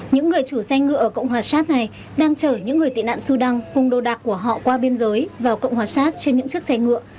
những người chủ xe ngựa ở cộng hòa sát này đang chở những người tị nạn sudan cùng đồ đạc của họ qua biên giới vào cộng hòa sát trên những chiếc xe ngựa